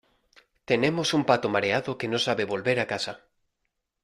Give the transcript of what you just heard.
tenemos un pato mareado que no sabe volver a casa